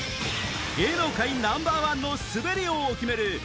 芸能界ナンバーワンの滑り王を決める